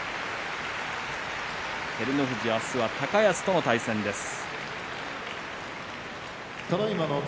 照ノ富士、明日は高安との対戦です。